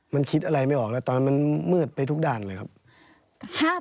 มันคิดอะไรไม่ออกแล้วตอนนั้นมันมืดไปทุกด้านเลยครับ